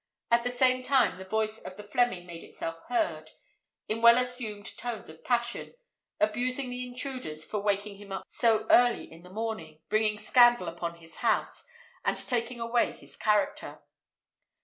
At the same time the voice of the Fleming made itself heard, in well assumed tones of passion, abusing the intruders for waking him so early in the morning, bringing scandal upon his house, and taking away his character.